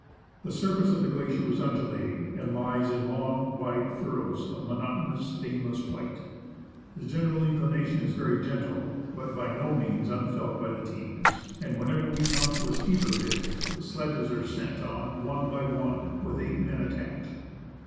The surface of the glacier is undulating, and lies in long, wide furrows of monotonous, stainless white ; the general inclination is very gentle, but by no means unfelt by the teams, and whenever we come to a steeper bit, the sledges are sent on one by one with eight men attached.